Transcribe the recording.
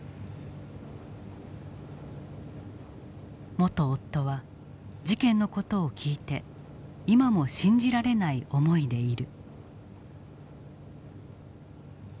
元夫は事件の事を聞いて今も信じられない思いでいる。